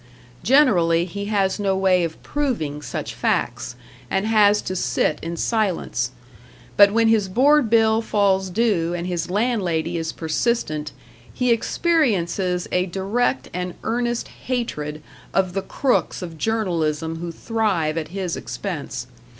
Generally he has no way of proving such facts, and has to sit in silence; but when his board bill falls due and his landlady is persistent, he experiences a direct and earnest hatred of the crooks of journalism who thrive at his expense.